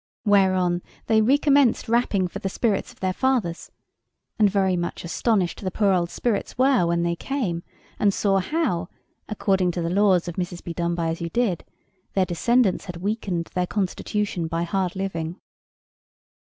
Whereon they recommenced rapping for the spirits of their fathers; and very much astonished the poor old spirits were when they came, and saw how, according to the laws of Mrs. Bedonebyasyoudid, their descendants had weakened their constitution by hard living.